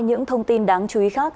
những thông tin đáng chú ý khác